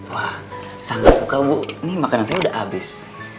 wah sangat suka bu ini makanan saya udah habis